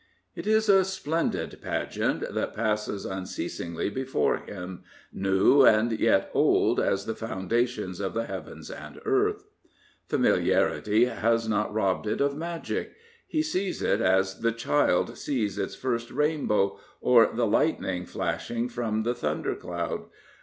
It is a splendid pageant that passes unceasingly before him —/ New and yet old As the foundanons of the heavens and earth, f Familiarity has not robbed it of its magic. He sees it as the child sees its first rainbow or the lightning flashing from the thunder cloud.